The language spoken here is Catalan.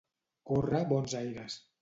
Córrer bons aires.